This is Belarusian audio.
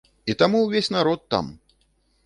І таму ўвесь народ там!